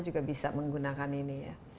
juga bisa menggunakan ini ya